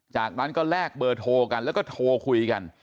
จากนั้นก็แลกเบอร์โทรกันแล้วก็โทรคุยกัน